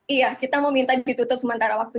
iya kita meminta ditutup sementara waktu